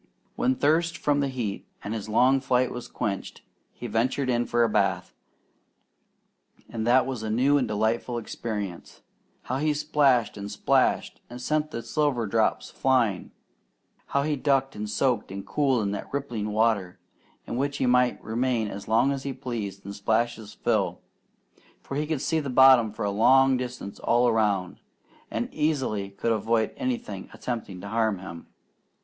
When thirst from the heat and his long flight was quenched, he ventured in for a bath, and that was a new and delightful experience. How he splashed and splashed, and sent the silver drops flying! How he ducked and soaked and cooled in that rippling water, in which he might remain as long as he pleased and splash his fill; for he could see the bottom for a long distance all around, and easily could avoid anything attempting to harm him.